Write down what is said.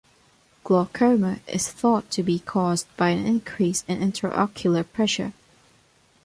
Glaucoma is thought to be caused by an increase in intraocular pressure.